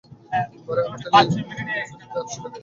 বা রে, আমার টেলিগিরাপের তার ছিঁড়লে কে?